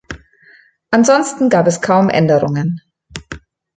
Ansonsten gab es kaum Änderungen.